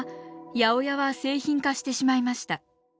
８０８は製品化してしまいました。